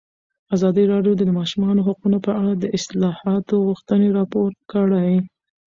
ازادي راډیو د د ماشومانو حقونه په اړه د اصلاحاتو غوښتنې راپور کړې.